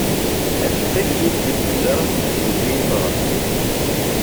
Het spreekt overigens vanzelf en is ook geen verrassing.